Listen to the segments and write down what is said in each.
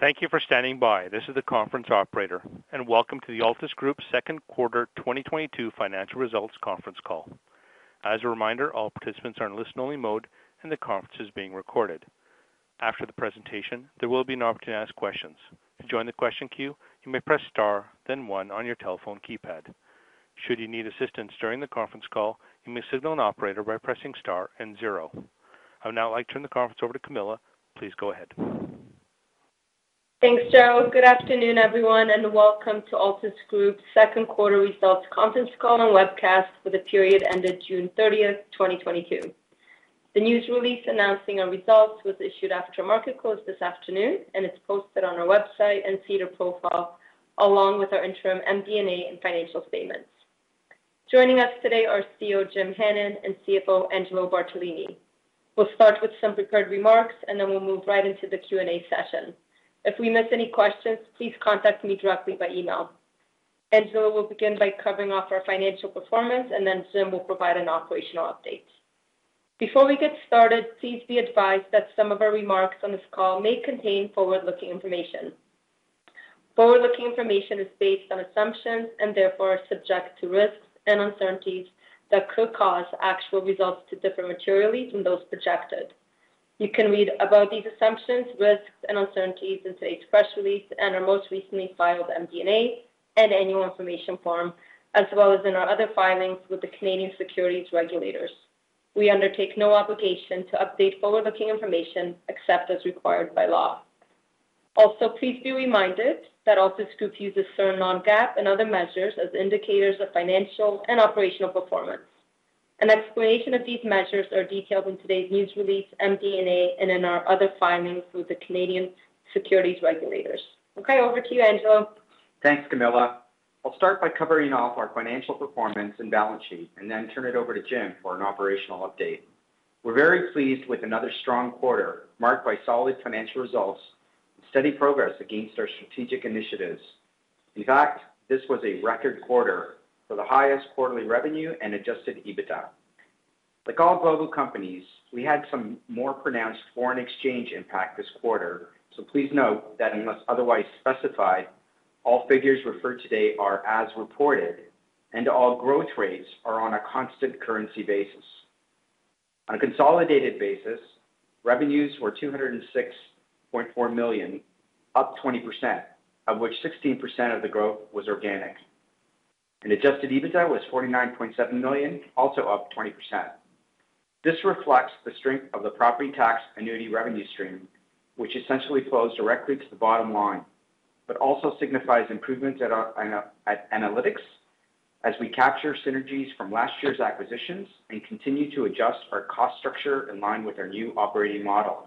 Thank you for standing by. This is the conference operator, and welcome to the Altus Group second quarter 2022 financial results conference call. As a reminder, all participants are in listen only mode and the conference is being recorded. After the presentation, there will be an opportunity to ask questions. To join the question queue, you may press star then one on your telephone keypad. Should you need assistance during the conference call, you may signal an operator by pressing star and zero. I would now like to turn the conference over to Camilla. Please go ahead. Thanks, Joe. Good afternoon, everyone, and welcome to Altus Group's second quarter results conference call and webcast for the period ended June 30th, 2022. The news release announcing our results was issued after market close this afternoon and is posted on our website and SEDAR profile, along with our interim MD&A and financial statements. Joining us today are Chief Executive Officer Jim Hannon and Chief Financial Officer Angelo Bartolini. We'll start with some prepared remarks and then we'll move right into the Q&A session. If we miss any questions, please contact me directly by email. Angelo will begin by covering off our financial performance, and then Jim will provide an operational update. Before we get started, please be advised that some of our remarks on this call may contain forward-looking information. Forward-looking information is based on assumptions and therefore are subject to risks and uncertainties that could cause actual results to differ materially from those projected. You can read about these assumptions, risks, and uncertainties in today's press release and our most recently filed MD&A and annual information form, as well as in our other filings with the Canadian securities regulators. We undertake no obligation to update forward-looking information except as required by law. Also, please be reminded that Altus Group uses certain Non-GAAP and other measures as indicators of financial and operational performance. An explanation of these measures are detailed in today's news release, MD&A, and in our other filings with the Canadian securities regulators. Okay, over to you, Angelo. Thanks, Camilla. I'll start by covering off our financial performance and balance sheet and then turn it over to Jim for an operational update. We're very pleased with another strong quarter marked by solid financial results and steady progress against our strategic initiatives. In fact, this was a record quarter for the highest quarterly revenue and Adjusted EBITDA. Like all global companies, we had some more pronounced foreign exchange impact this quarter. Please note that unless otherwise specified, all figures referred to today are as reported, and all growth rates are on a constant currency basis. On a consolidated basis, revenues were 206.4 million, up 20%, of which 16% of the growth was organic, and Adjusted EBITDA was 49.7 million, also up 20%. This reflects the strength of the property tax annuity revenue stream, which essentially flows directly to the bottom line, but also signifies improvement at our Analytics as we capture synergies from last year's acquisitions and continue to adjust our cost structure in line with our new operating model.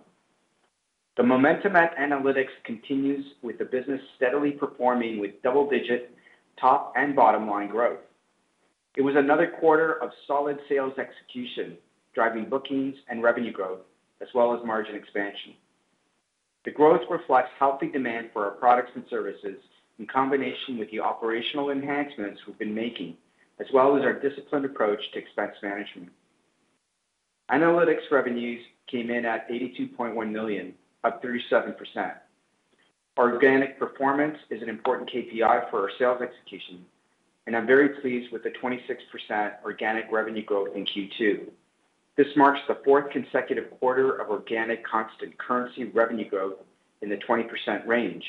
The momentum at Analytics continues with the business steadily performing with double-digit top and bottom line growth. It was another quarter of solid sales execution, driving bookings and revenue growth, as well as margin expansion. The growth reflects healthy demand for our products and services in combination with the operational enhancements we've been making, as well as our disciplined approach to expense management. Analytics revenues came in at 82.1 million, up 37%. Organic performance is an important KPI for our sales execution, and I'm very pleased with the 26% organic revenue growth in Q2. This marks the fourth consecutive quarter of organic constant currency revenue growth in the 20% range,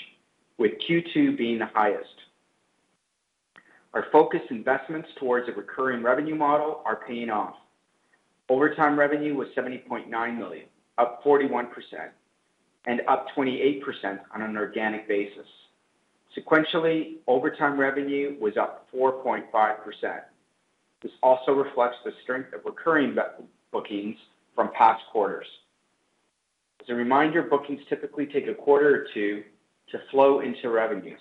with Q2 being the highest. Our focused investments towards a recurring revenue model are paying off. Overall revenue was 70.9 million, up 41% and up 28% on an organic basis. Sequentially, overall revenue was up 4.5%. This also reflects the strength of recurring bookings from past quarters. As a reminder, bookings typically take a quarter or two to flow into revenues.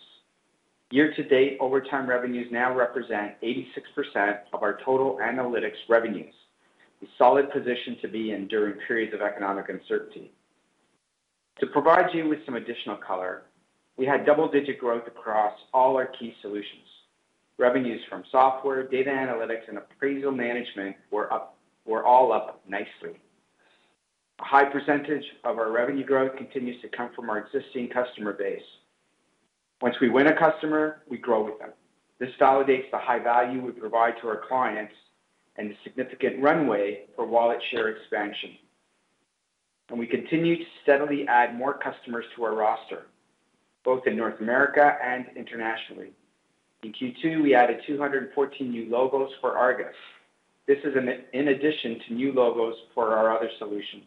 Year to date, overall revenues now represent 86% of our total Analytics revenues, a solid position to be in during periods of economic uncertainty. To provide you with some additional color, we had double-digit growth across all our key solutions. Revenues from software, data analytics, and appraisal management were all up nicely. A high percentage of our revenue growth continues to come from our existing customer base. Once we win a customer, we grow with them. This validates the high value we provide to our clients and the significant runway for wallet share expansion. We continue to steadily add more customers to our roster, both in North America and internationally. In Q2, we added 214 new logos for ARGUS. This is in addition to new logos for our other solutions.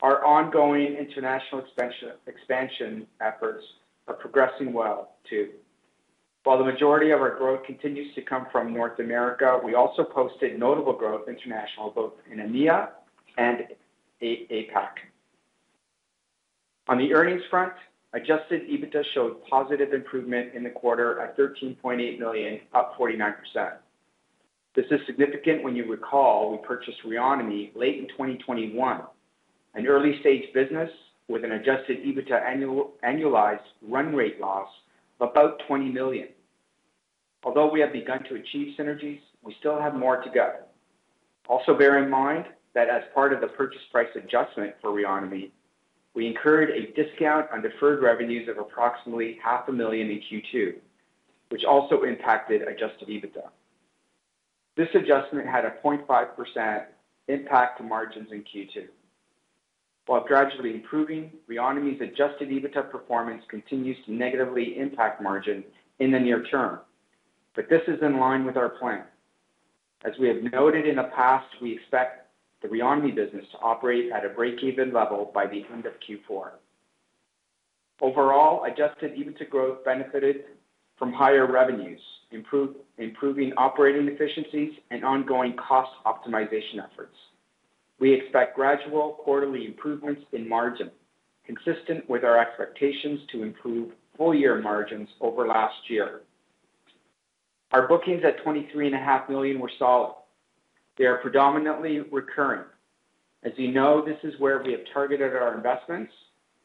Our ongoing international expansion efforts are progressing well too. While the majority of our growth continues to come from North America, we also posted notable growth internationally, both in EMEA and APAC. On the earnings front, Adjusted EBITDA showed positive improvement in the quarter at 13.8 million, up 49%. This is significant when you recall we purchased Reonomy late in 2021, an early-stage business with an Adjusted EBITDA annualized run rate loss of about 20 million. Although we have begun to achieve synergies, we still have more to go. Also bear in mind that as part of the purchase price adjustment for Reonomy, we incurred a discount on deferred revenues of approximately CAD half a million in Q2, which also impacted Adjusted EBITDA. This adjustment had a 0.5% impact to margins in Q2. While gradually improving, Reonomy's Adjusted EBITDA performance continues to negatively impact margin in the near term. This is in line with our plan. As we have noted in the past, we expect the Reonomy business to operate at a breakeven level by the end of Q4. Overall, Adjusted EBITDA growth benefited from higher revenues, improving operating efficiencies, and ongoing cost optimization efforts. We expect gradual quarterly improvements in margin, consistent with our expectations to improve full-year margins over last year. Our bookings at 23.5 million were solid. They are predominantly recurring. As you know, this is where we have targeted our investments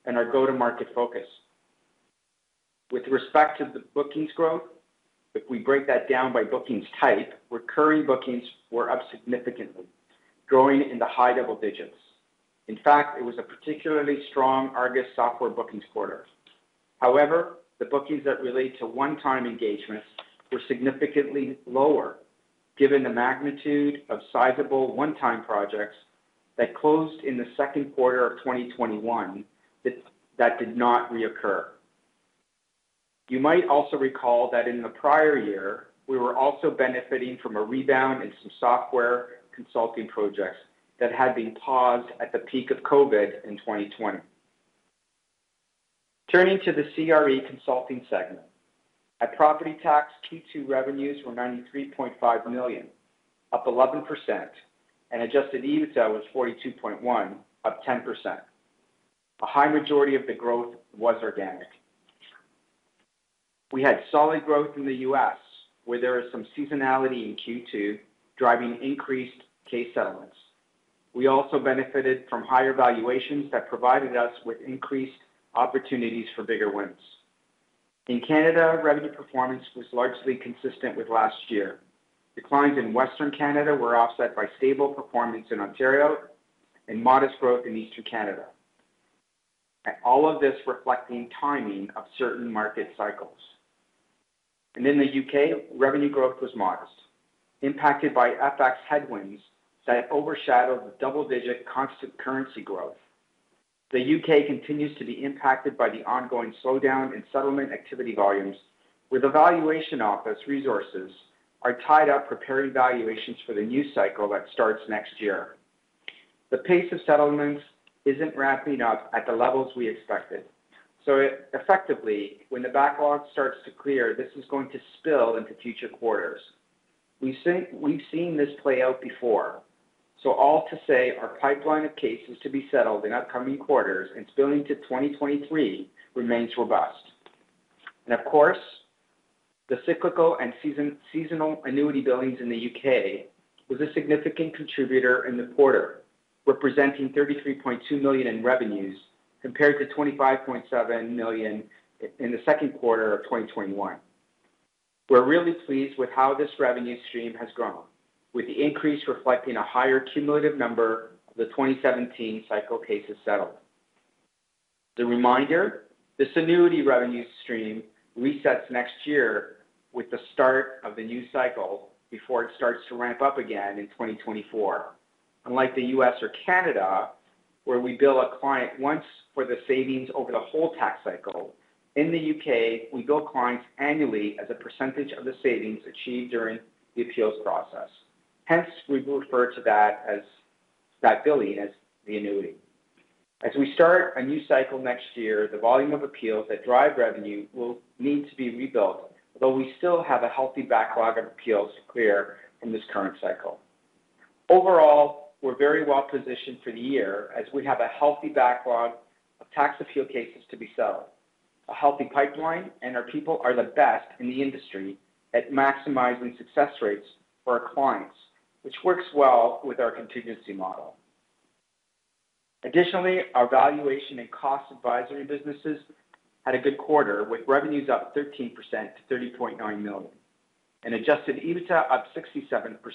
and our go-to-market focus. With respect to the bookings growth, if we break that down by bookings type, recurring bookings were up significantly, growing in the high double digits. In fact, it was a particularly strong ARGUS software bookings quarter. However, the bookings that relate to one-time engagements were significantly lower given the magnitude of sizable one-time projects that closed in the second quarter of 2021 that did not reoccur. You might also recall that in the prior year, we were also benefiting from a rebound in some software consulting projects that had been paused at the peak of COVID in 2020. Turning to the CRE consulting segment. At Property Tax, Q2 revenues were 93.5 million, up 11%, and adjusted EBITDA was 42.1 million, up 10%. A high majority of the growth was organic. We had solid growth in the U.S., where there is some seasonality in Q2 driving increased case settlements. We also benefited from higher valuations that provided us with increased opportunities for bigger wins. In Canada, revenue performance was largely consistent with last year. Declines in Western Canada were offset by stable performance in Ontario and modest growth in Eastern Canada. All of this reflecting timing of certain market cycles. In the U.K., revenue growth was modest, impacted by FX headwinds that overshadowed the double-digit constant currency growth. The U.K. continues to be impacted by the ongoing slowdown in settlement activity volumes, where the Valuation Office resources are tied up preparing valuations for the new cycle that starts next year. The pace of settlements isn't ramping up at the levels we expected. Effectively, when the backlog starts to clear, this is going to spill into future quarters. We've seen this play out before. All to say, our pipeline of cases to be settled in upcoming quarters and spilling to 2023 remains robust. Of course, the cyclical and seasonal annuity billings in the U.K. were a significant contributor in the quarter, representing 33.2 million in revenues compared to 25.7 million in the second quarter of 2021. We're really pleased with how this revenue stream has grown, with the increase reflecting a higher cumulative number of the 2017 cycle cases settled. A reminder, this annuity revenue stream resets next year with the start of the new cycle before it starts to ramp up again in 2024. Unlike the U.S. or Canada, where we bill a client once for the savings over the whole tax cycle, in the U.K., we bill clients annually as a percentage of the savings achieved during the appeals process. Hence, we refer to that billing as the annuity. As we start a new cycle next year, the volume of appeals that drive revenue will need to be rebuilt, although we still have a healthy backlog of appeals to clear from this current cycle. Overall, we're very well positioned for the year as we have a healthy backlog of tax appeal cases to be settled, a healthy pipeline, and our people are the best in the industry at maximizing success rates for our clients, which works well with our contingency model. Additionally, our valuation and cost advisory businesses had a good quarter, with revenues up 13% to 30.9 million and Adjusted EBITDA up 67% to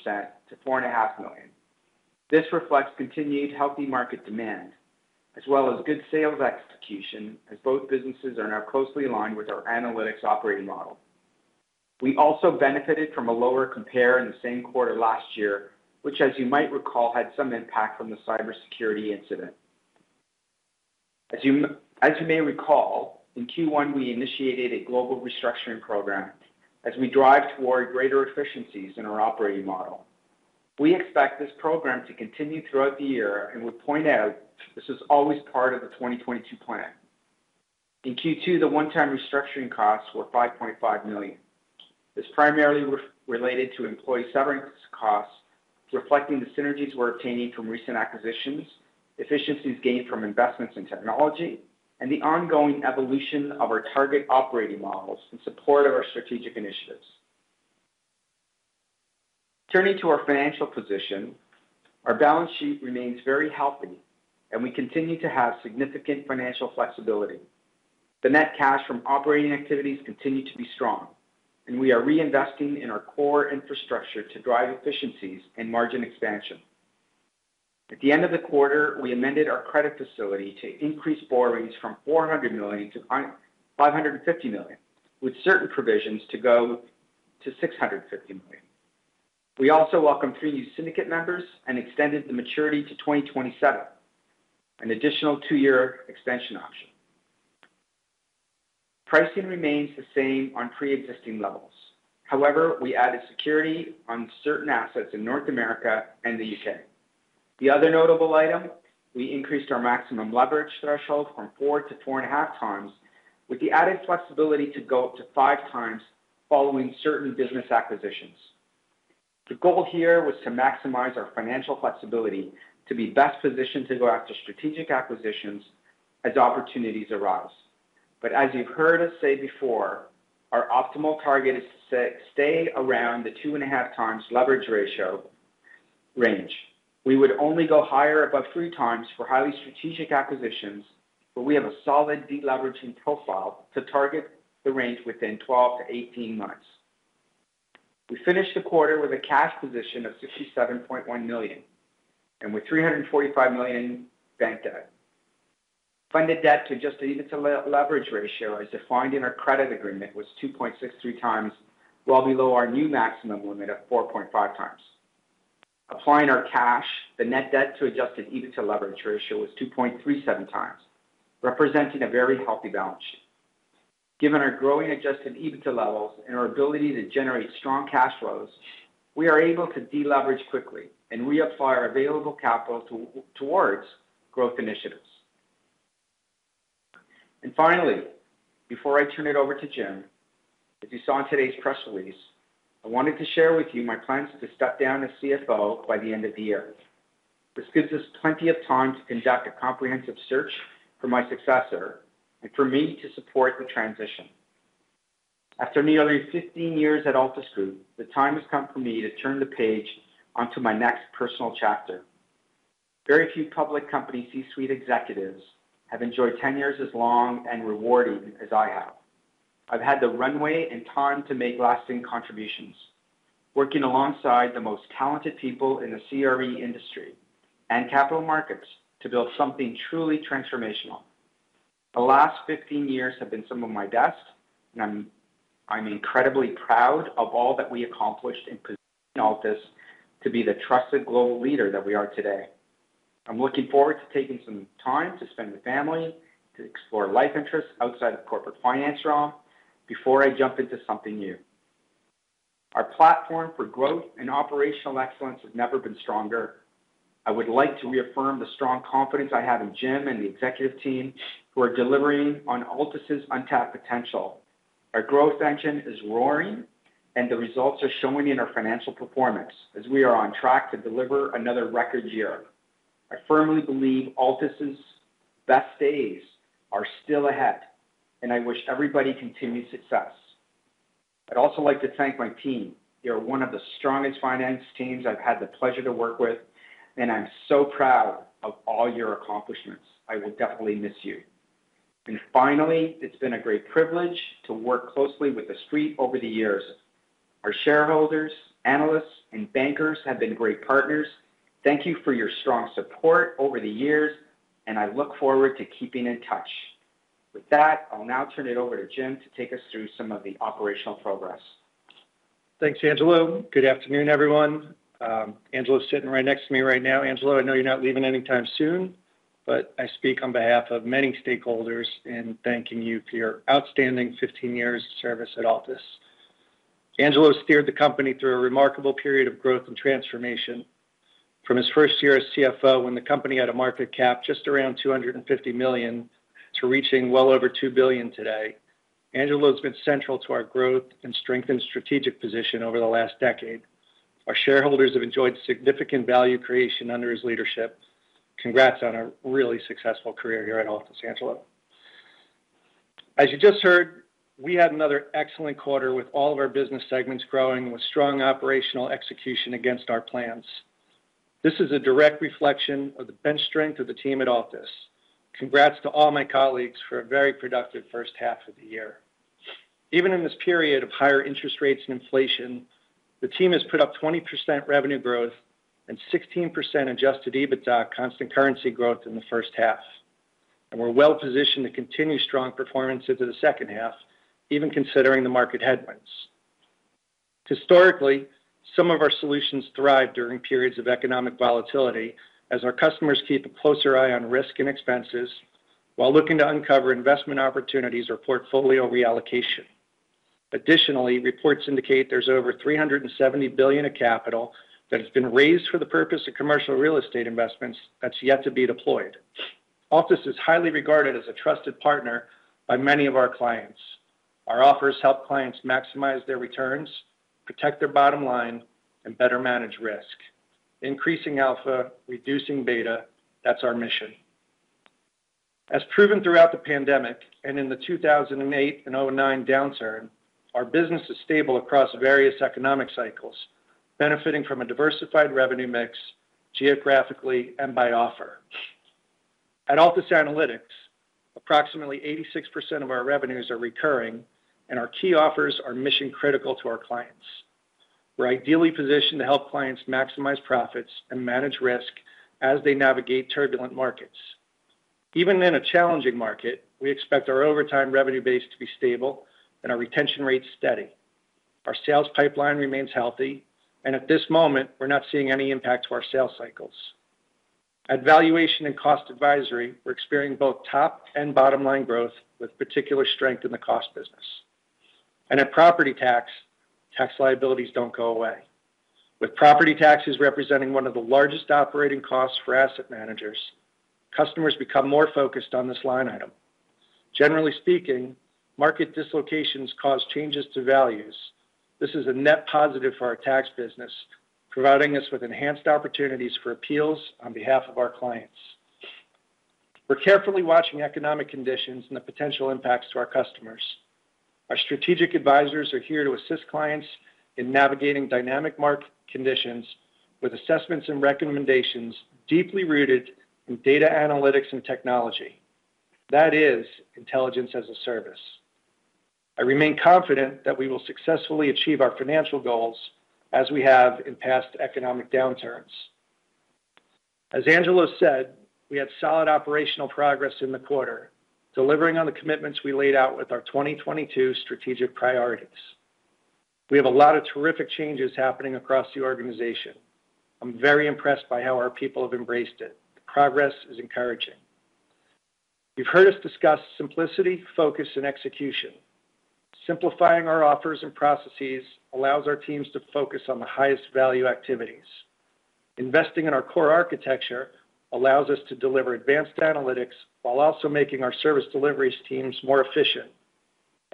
4.5 million. This reflects continued healthy market demand as well as good sales execution, as both businesses are now closely aligned with our analytics operating model. We also benefited from a lower compare in the same quarter last year, which as you might recall, had some impact from the cybersecurity incident. As you may recall, in Q1, we initiated a global restructuring program as we drive toward greater efficiencies in our operating model. We expect this program to continue throughout the year, and would point out this was always part of the 2022 plan. In Q2, the one-time restructuring costs were 5.5 million. This primarily related to employee severance costs, reflecting the synergies we're obtaining from recent acquisitions, efficiencies gained from investments in technology, and the ongoing evolution of our target operating models in support of our strategic initiatives. Turning to our financial position, our balance sheet remains very healthy, and we continue to have significant financial flexibility. The net cash from operating activities continue to be strong, and we are reinvesting in our core infrastructure to drive efficiencies and margin expansion. At the end of the quarter, we amended our credit facility to increase borrowings from 400 million to 550 million, with certain provisions to go to 650 million. We also welcomed three new syndicate members and extended the maturity to 2027, an additional two-year extension option. Pricing remains the same on pre-existing levels. However, we added security on certain assets in North America and the U.K. The other notable item, we increased our maximum leverage threshold from 4x to 4.5x, with the added flexibility to go up to 5x following certain business acquisitions. The goal here was to maximize our financial flexibility to be best positioned to go after strategic acquisitions as opportunities arise. As you've heard us say before, our optimal target is to stay around the 2.5x leverage ratio range. We would only go higher above 3x for highly strategic acquisitions, but we have a solid deleveraging profile to target the range within 12 months-18 months. We finished the quarter with a cash position of 67.1 million and with 345 million bank debt. Funded debt to adjusted EBITDA leverage ratio, as defined in our credit agreement, was 2.63x, well below our new maximum limit of 4.5x. Applying our cash, the net debt to adjusted EBITDA leverage ratio was 2.37x, representing a very healthy balance sheet. Given our growing adjusted EBITDA levels and our ability to generate strong cash flows, we are able to deleverage quickly and reapply our available capital towards growth initiatives. Finally, before I turn it over to Jim, as you saw in today's press release, I wanted to share with you my plans to step down as Chief Financial Officer by the end of the year. This gives us plenty of time to conduct a comprehensive search for my successor and for me to support the transition. After nearly 15 years at Altus Group, the time has come for me to turn the page onto my next personal chapter. Very few public company C-suite executives have enjoyed tenures as long and rewarding as I have. I've had the runway and time to make lasting contributions, working alongside the most talented people in the CRE industry and capital markets to build something truly transformational. The last 15 years have been some of my best, and I'm incredibly proud of all that we accomplished in positioning Altus to be the trusted global leader that we are today. I'm looking forward to taking some time to spend with family, to explore life interests outside of corporate finance realm before I jump into something new. Our platform for growth and operational excellence has never been stronger. I would like to reaffirm the strong confidence I have in Jim and the executive team who are delivering on Altus' untapped potential. Our growth engine is roaring, and the results are showing in our financial performance as we are on track to deliver another record year. I firmly believe Altus' best days are still ahead, and I wish everybody continued success. I'd also like to thank my team. They are one of the strongest finance teams I've had the pleasure to work with, and I'm so proud of all your accomplishments. I will definitely miss you. Finally, it's been a great privilege to work closely with the Street over the years. Our shareholders, analysts, and bankers have been great partners. Thank you for your strong support over the years, and I look forward to keeping in touch. With that, I'll now turn it over to Jim to take us through some of the operational progress. Thanks, Angelo. Good afternoon, everyone. Angelo's sitting right next to me right now. Angelo, I know you're not leaving anytime soon, but I speak on behalf of many stakeholders in thanking you for your outstanding 15 years of service at Altus. Angelo's steered the company through a remarkable period of growth and transformation. From his first year as Chief Financial Officer, when the company had a market cap just around 250 million, to reaching well over 2 billion today, Angelo's been central to our growth and strengthened strategic position over the last decade. Our shareholders have enjoyed significant value creation under his leadership. Congrats on a really successful career here at Altus, Angelo. As you just heard, we had another excellent quarter with all of our business segments growing with strong operational execution against our plans. This is a direct reflection of the bench strength of the team at Altus. Congrats to all my colleagues for a very productive first half of the year. Even in this period of higher interest rates and inflation, the team has put up 20% revenue growth and 16% Adjusted EBITDA constant currency growth in the first half, and we're well-positioned to continue strong performance into the second half, even considering the market headwinds. Historically, some of our solutions thrive during periods of economic volatility as our customers keep a closer eye on risk and expenses while looking to uncover investment opportunities or portfolio reallocation. Additionally, reports indicate there's over 370 billion of capital that has been raised for the purpose of commercial real estate investments that's yet to be deployed. Altus is highly regarded as a trusted partner by many of our clients. Our offers help clients maximize their returns, protect their bottom line, and better manage risk. Increasing alpha, reducing beta, that's our mission. As proven throughout the pandemic and in the 2008 and 2009 downturn, our business is stable across various economic cycles, benefiting from a diversified revenue mix geographically and by offer. At Altus Analytics, approximately 86% of our revenues are recurring, and our key offers are mission-critical to our clients. We're ideally positioned to help clients maximize profits and manage risk as they navigate turbulent markets. Even in a challenging market, we expect our over time revenue base to be stable and our retention rates steady. Our sales pipeline remains healthy, and at this moment, we're not seeing any impact to our sales cycles. At valuation and cost advisory, we're experiencing both top and bottom line growth with particular strength in the cost business. At Property Tax, tax liabilities don't go away. With property taxes representing one of the largest operating costs for asset managers, customers become more focused on this line item. Generally speaking, market dislocations cause changes to values. This is a net positive for our tax business, providing us with enhanced opportunities for appeals on behalf of our clients. We're carefully watching economic conditions and the potential impacts to our customers. Our strategic advisors are here to assist clients in navigating dynamic market conditions with assessments and recommendations deeply rooted in data analytics and technology. That is Intelligence as a Service. I remain confident that we will successfully achieve our financial goals as we have in past economic downturns. As Angelo said, we had solid operational progress in the quarter, delivering on the commitments we laid out with our 2022 strategic priorities. We have a lot of terrific changes happening across the organization. I'm very impressed by how our people have embraced it. The progress is encouraging. You've heard us discuss simplicity, focus, and execution. Simplifying our offers and processes allows our teams to focus on the highest value activities. Investing in our core architecture allows us to deliver advanced analytics while also making our service delivery teams more efficient.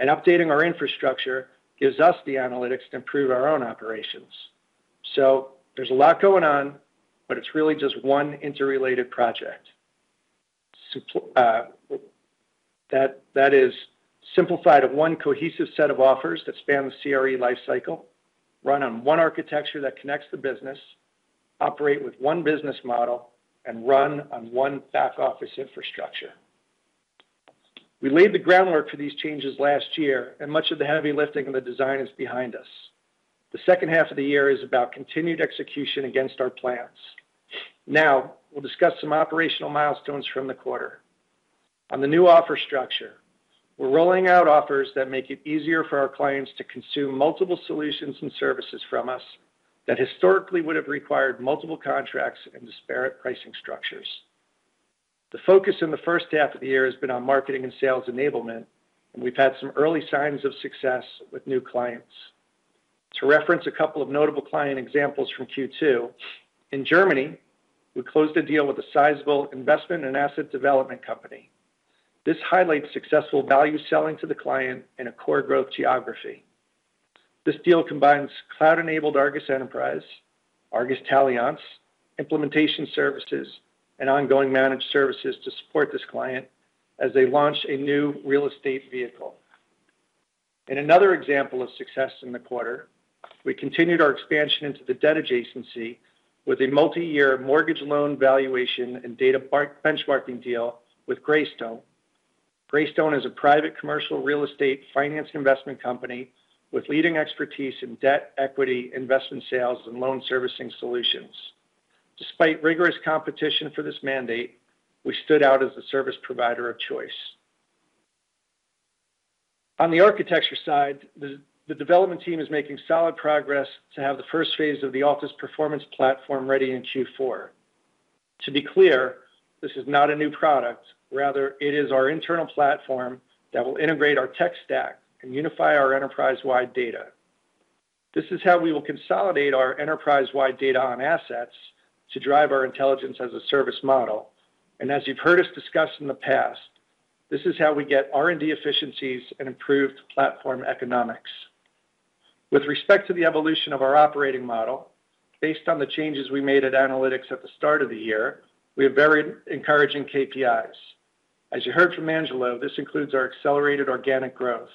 Updating our infrastructure gives us the analytics to improve our own operations. There's a lot going on, but it's really just one interrelated project. That is simplification of one cohesive set of offers that span the CRE life cycle, run on one architecture that connects the business, operate with one business model, and run on one back office infrastructure. We laid the groundwork for these changes last year, and much of the heavy lifting and the design is behind us. The second half of the year is about continued execution against our plans. Now we'll discuss some operational milestones from the quarter. On the new offer structure, we're rolling out offers that make it easier for our clients to consume multiple solutions and services from us that historically would have required multiple contracts and disparate pricing structures. The focus in the first half of the year has been on marketing and sales enablement, and we've had some early signs of success with new clients. To reference a couple of notable client examples from Q2, in Germany, we closed a deal with a sizable investment and asset development company. This highlights successful value selling to the client in a core growth geography. This deal combines cloud-enabled ARGUS Enterprise, ARGUS Taliance, implementation services, and ongoing managed services to support this client as they launch a new real estate vehicle. In another example of success in the quarter, we continued our expansion into the debt adjacency with a multi-year mortgage loan valuation and data park benchmarking deal with Greystone. Greystone is a private commercial real estate finance investment company with leading expertise in debt, equity, investment sales, and loan servicing solutions. Despite rigorous competition for this mandate, we stood out as the service provider of choice. On the architecture side, the development team is making solid progress to have the first phase of the Altus Performance Platform ready in Q4. To be clear, this is not a new product. Rather, it is our internal platform that will integrate our tech stack and unify our enterprise-wide data. This is how we will consolidate our enterprise-wide data on assets to drive our intelligence as a service model. As you've heard us discuss in the past, this is how we get R&D efficiencies and improved platform economics. With respect to the evolution of our operating model, based on the changes we made at Analytics at the start of the year, we have very encouraging KPIs. As you heard from Angelo, this includes our accelerated organic growth.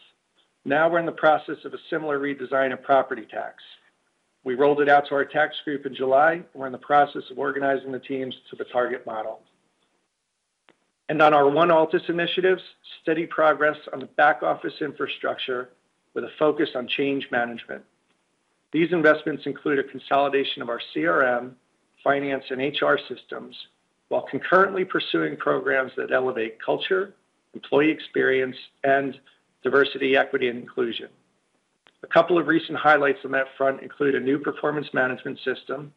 Now we're in the process of a similar redesign of Property Tax. We rolled it out to our tax group in July. We're in the process of organizing the teams to the target model. On our One Altus initiatives, steady progress on the back office infrastructure with a focus on change management. These investments include a consolidation of our CRM, finance, and HR systems, while concurrently pursuing programs that elevate culture, employee experience, and diversity, equity, and inclusion. A couple of recent highlights on that front include a new performance management system,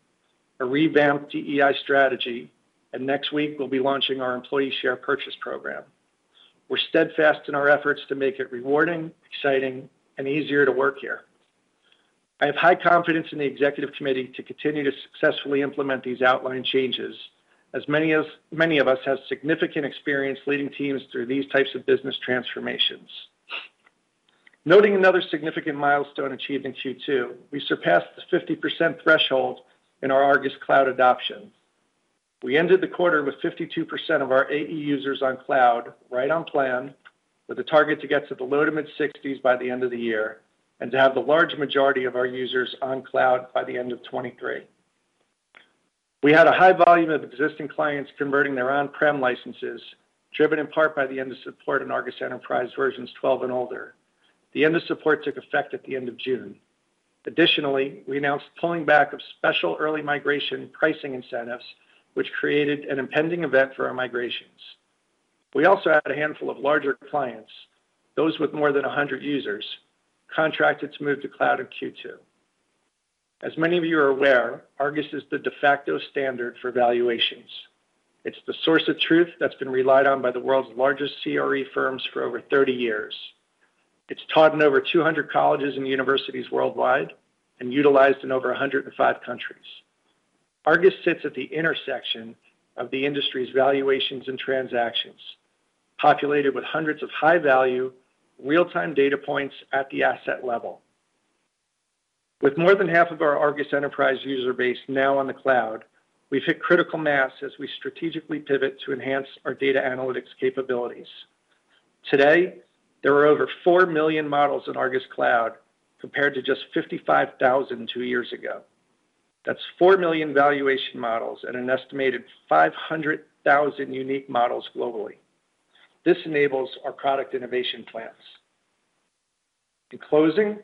a revamped DEI strategy, and next week we'll be launching our employee share purchase program. We're steadfast in our efforts to make it rewarding, exciting, and easier to work here. I have high confidence in the executive committee to continue to successfully implement these outlined changes, as many of us have significant experience leading teams through these types of business transformations. Noting another significant milestone achieved in Q2, we surpassed the 50% threshold in our ARGUS Cloud adoption. We ended the quarter with 52% of our AE users on cloud, right on plan, with a target to get to the low- to mid-60s by the end of the year, and to have the large majority of our users on cloud by the end of 2023. We had a high volume of existing clients converting their on-prem licenses, driven in part by the end of support in ARGUS Enterprise versions 12 and older. The end of support took effect at the end of June. Additionally, we announced pulling back of special early migration pricing incentives, which created an impending event for our migrations. We also had a handful of larger clients, those with more than 100 users, contracted to move to cloud in Q2. As many of you are aware, ARGUS is the de facto standard for valuations. It's the source of truth that's been relied on by the world's largest CRE firms for over 30 years. It's taught in over 200 colleges and universities worldwide and utilized in over 105 countries. Argus sits at the intersection of the industry's valuations and transactions, populated with hundreds of high-value real-time data points at the asset level. With more than half of our Argus Enterprise user base now on the cloud, we've hit critical mass as we strategically pivot to enhance our data analytics capabilities. Today, there are over 4 million models in Argus Cloud, compared to just 55,000 two years ago. That's 4 million valuation models and an estimated 500,000 unique models globally. This enables our product innovation plans. In closing,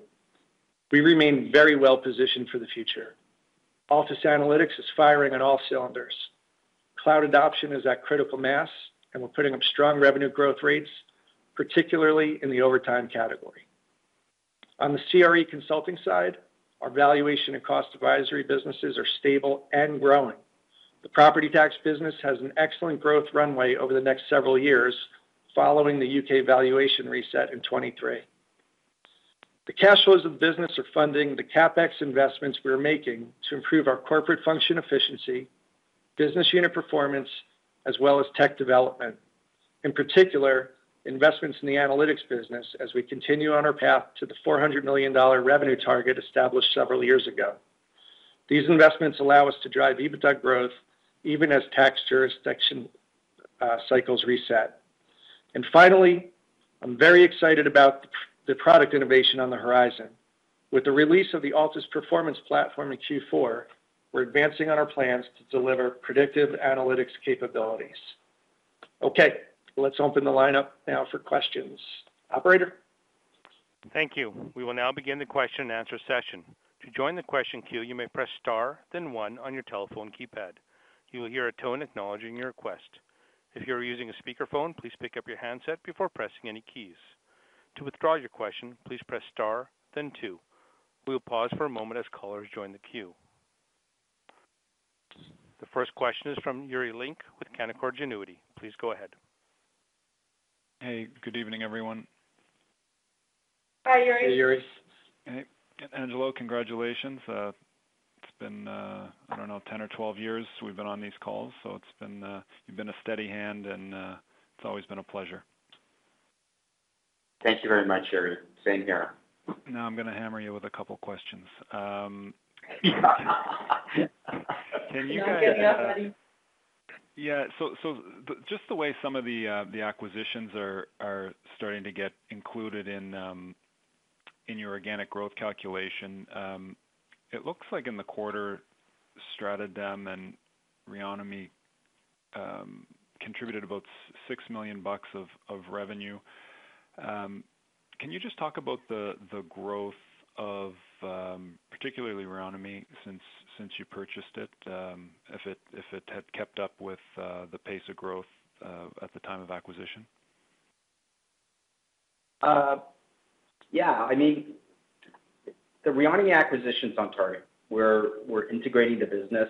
we remain very well-positioned for the future. Altus Analytics is firing on all cylinders. Cloud adoption is at critical mass, and we're putting up strong revenue growth rates, particularly in the overtime category. On the CRE consulting side, our valuation and cost advisory businesses are stable and growing. The property tax business has an excellent growth runway over the next several years following the U.K. valuation reset in 2023. The cash flows of business are funding the CapEx investments we are making to improve our corporate function efficiency, business unit performance, as well as tech development. In particular, investments in the analytics business as we continue on our path to the 400 million dollar revenue target established several years ago. These investments allow us to drive EBITDA growth even as tax jurisdiction cycles reset. Finally, I'm very excited about the product innovation on the horizon. With the release of the Altus Performance Platform in Q4, we're advancing on our plans to deliver predictive analytics capabilities. Okay, let's open the line up now for questions. Operator? Thank you. We will now begin the question and answer session. To join the question queue, you may press star then one on your telephone keypad. You will hear a tone acknowledging your request. If you are using a speakerphone, please pick up your handset before pressing any keys. To withdraw your question, please press star then two. We will pause for a moment as callers join the queue. The first question is from Yuri Lynk with Canaccord Genuity. Please go ahead. Hey, good evening, everyone. Hi, Yuri. Hey, Yuri. Hey. Angelo, congratulations. It's been, I don't know, 10years or 12 years we've been on these calls. You've been a steady hand, and it's always been a pleasure. Thank you very much, Yuri. Same here. Now I'm gonna hammer you with a couple questions. Can you guys- Don't get him mad. Just the way some of the acquisitions are starting to get included in your organic growth calculation, it looks like in the quarter, StratoDem and Reonomy contributed about $6 million bucks of revenue. Can you just talk about the growth of particularly Reonomy since you purchased it, if it had kept up with the pace of growth at the time of acquisition? Yeah. I mean, the Reonomy acquisition's on target. We're integrating the business,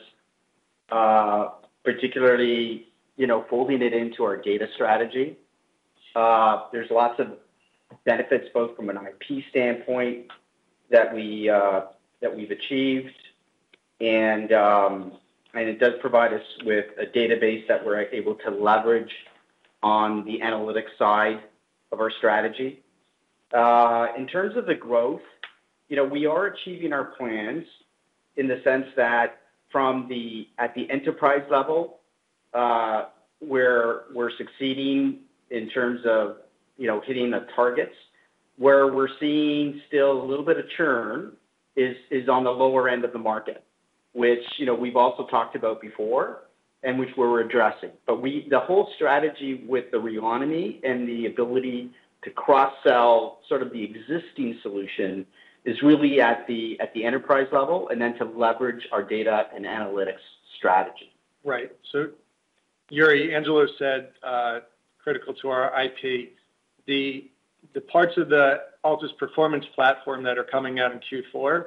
particularly, you know, folding it into our data strategy. There's lots of benefits, both from an IP standpoint that we've achieved, and it does provide us with a database that we're able to leverage on the analytics side of our strategy. In terms of the growth, you know, we are achieving our plans in the sense that at the enterprise level, we're succeeding in terms of, you know, hitting the targets. Where we're seeing still a little bit of churn is on the lower end of the market, which, you know, we've also talked about before and which we're addressing. The whole strategy with the Reonomy and the ability to cross-sell sort of the existing solution is really at the enterprise level, and then to leverage our data and analytics strategy. Right. Yuri, Angelo said, critical to our IP, the parts of the Altus Performance Platform that are coming out in Q4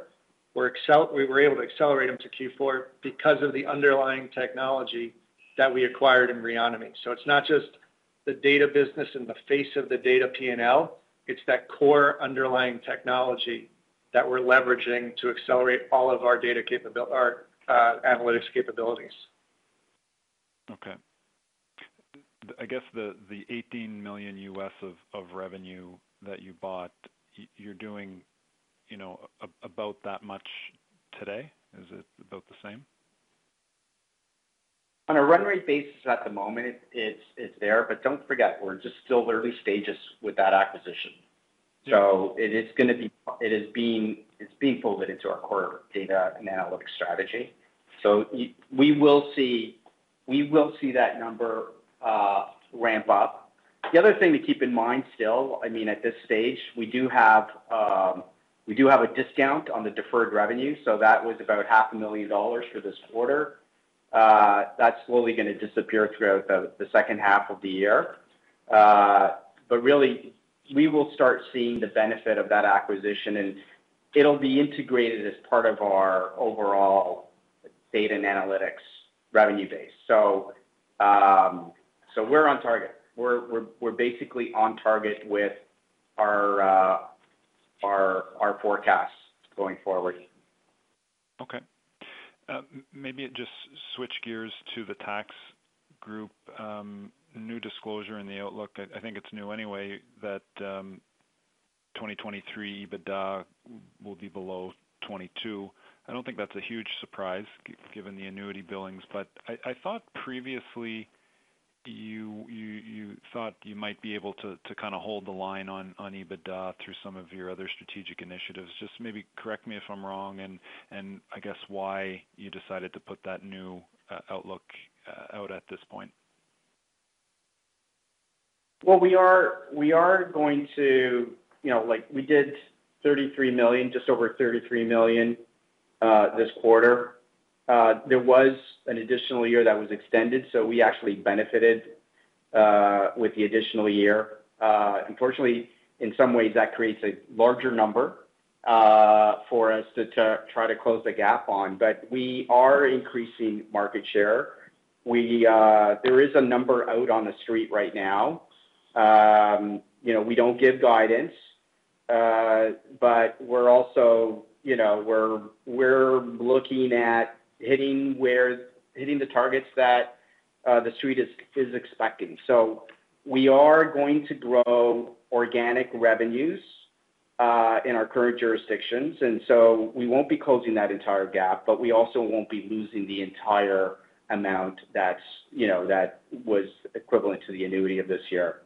we were able to accelerate them to Q4 because of the underlying technology that we acquired in Reonomy. It's not just the data business and the face of the data P&L, it's that core underlying technology that we're leveraging to accelerate all of our analytics capabilities. Okay. I guess the $18 million of revenue that you bought, you're doing, you know, about that much today. Is it about the same? On a run rate basis at the moment, it's there, but don't forget, we're just still early stages with that acquisition. It is being folded into our core data and analytics strategy. We will see that number ramp up. The other thing to keep in mind still, I mean, at this stage, we do have a discount on the deferred revenue, so that was about half a million dollars for this quarter. That's slowly gonna disappear throughout the second half of the year. Really we will start seeing the benefit of that acquisition, and it'll be integrated as part of our overall data and analytics revenue base. We're on target. We're basically on target with our forecast going forward. Okay. Maybe just switch gears to the tax group. New disclosure in the outlook, I think it's new anyway, that 2023 EBITDA will be below 2022. I don't think that's a huge surprise given the annuity billings, but I thought previously you thought you might be able to kinda hold the line on EBITDA through some of your other strategic initiatives. Just maybe correct me if I'm wrong and I guess why you decided to put that new outlook out at this point. Well, we are going to. You know, like, we did 33 million, just over 33 million, this quarter. There was an additional year that was extended, so we actually benefited with the additional year. Unfortunately, in some ways, that creates a larger number for us to try to close the gap on. We are increasing market share. There is a number out on the street right now. You know, we don't give guidance, but we're also, you know, we're looking at hitting the targets that the street is expecting. We are going to grow organic revenues in our current jurisdictions, and so we won't be closing that entire gap, but we also won't be losing the entire amount that's, you know, that was equivalent to the annuity of this year.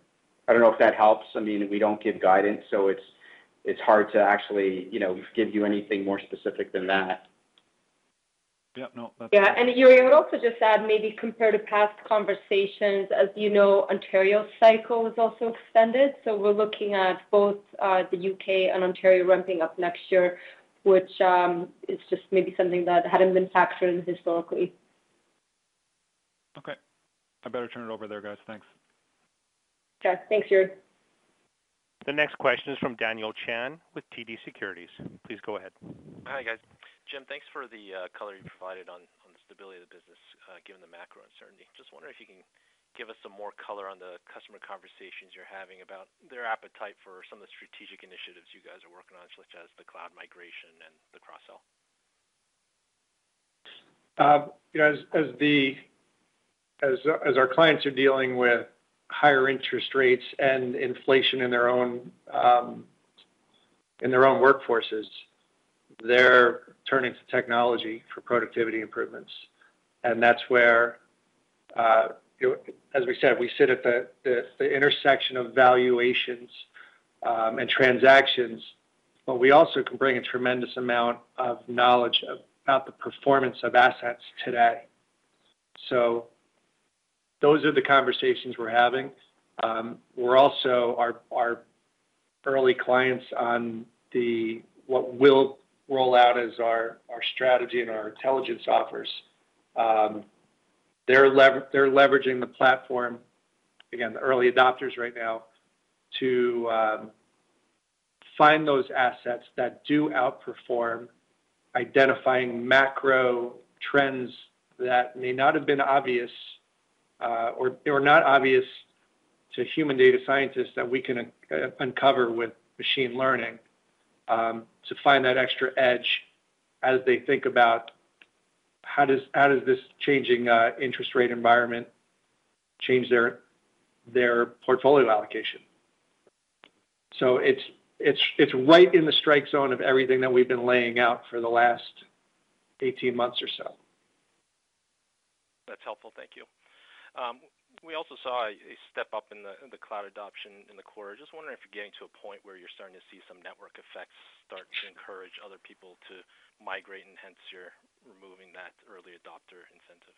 I don't know if that helps. I mean, we don't give guidance, so it's hard to actually, you know, give you anything more specific than that. Yep. No. Yeah. Yuri, I would also just add, maybe compared to past conversations, as you know, Ontario's cycle was also extended. We're looking at both, the U.K. and Ontario ramping up next year, which is just maybe something that hadn't been factored in historically. Okay. I better turn it over there, guys. Thanks. Okay. Thanks, Yuri. The next question is from Daniel Chan with TD Securities. Please go ahead. Hi, guys. Jim, thanks for the color you provided on the stability of the business, given the macro uncertainty. Just wondering if you can give us some more color on the customer conversations you're having about their appetite for some of the strategic initiatives you guys are working on, such as the cloud migration and the cross-sell. You know, as our clients are dealing with higher interest rates and inflation in their own workforces, they're turning to technology for productivity improvements. That's where, you know, as we said, we sit at the intersection of valuations and transactions, but we also can bring a tremendous amount of knowledge about the performance of assets today. Those are the conversations we're having. We're also our early clients on what we'll roll out as our strategy and our intelligence offers. They're leveraging the platform, again, the early adopters right now, to find those assets that do outperform identifying macro trends that may not have been obvious, or not obvious to human data scientists that we can uncover with machine learning, to find that extra edge as they think about how does this changing interest rate environment change their portfolio allocation. It's right in the strike zone of everything that we've been laying out for the last 18 months or so. That's helpful. Thank you. We also saw a step-up in the cloud adoption in the quarter. Just wondering if you're getting to a point where you're starting to see some network effects start to encourage other people to migrate and hence you're removing that early adopter incentive?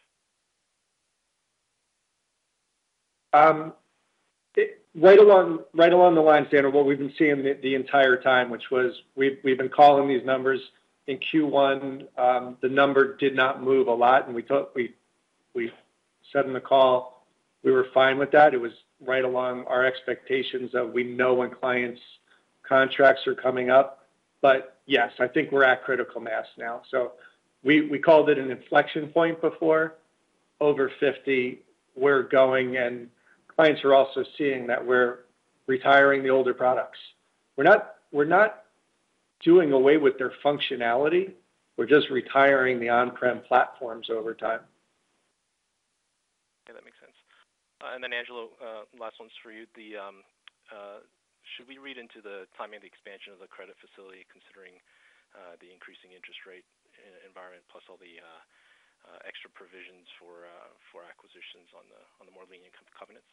Right along the lines, Daniel, what we've been seeing the entire time, which was we've been calling these numbers. In Q1, the number did not move a lot, and we said in the call we were fine with that. It was right along our expectations of we know when clients' contracts are coming up. Yes, I think we're at critical mass now. We called it an inflection point before. Over 50, we're going, and clients are also seeing that we're retiring the older products. We're not doing away with their functionality. We're just retiring the on-prem platforms over time. Yeah, that makes sense. Angelo, last one's for you. Should we read into the timing of the expansion of the credit facility considering the increasing interest rate environment, plus all the extra provisions for acquisitions on the more lenient covenants?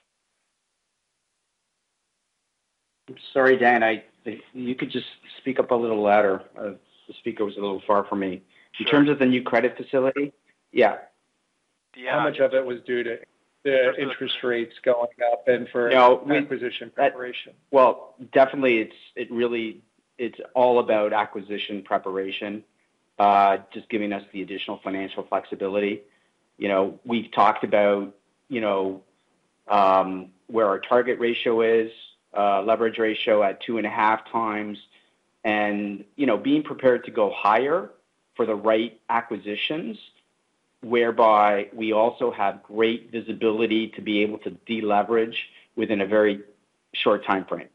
I'm sorry, Dan, if you could just speak up a little louder. The speaker was a little far from me. Sure. In terms of the new credit facility? Yeah. How much of it was due to the interest rates going up? No, we- Acquisition preparation? Well, definitely it's all about acquisition preparation, just giving us the additional financial flexibility. You know, we've talked about, you know, where our target ratio is, leverage ratio at 2.5x and, you know, being prepared to go higher for the right acquisitions, whereby we also have great visibility to be able to de-leverage within a very short timeframe.